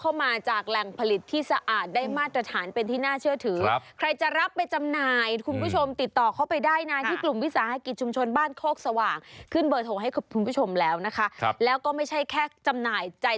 เขาต่อมากันเพราะว่าแต่ละหอก็จะมีจำนวนใช่ไหมแล้วกี่หอกี่หอก็ว่ากันไป